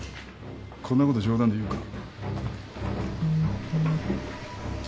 こんなこと冗談で言うか？